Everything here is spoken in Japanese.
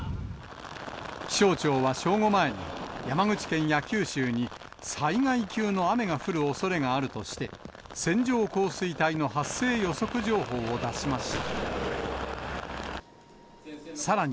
気象庁は正午前に、山口県や九州に、災害級の雨が降るおそれがあるとして、線状降水帯の発生予測情報を出しました。